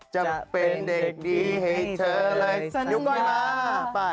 จะเป็นเด็กดีให้เธอเลยสัญญา